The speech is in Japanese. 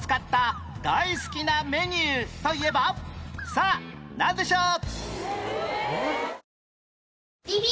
さあなんでしょう？